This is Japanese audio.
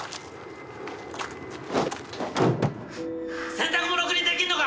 洗濯もろくにできんのか！？